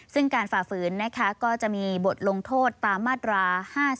ซึ่งการฝ่าฝืนนะคะก็จะมีบทลงโทษตามมาตรา๕๔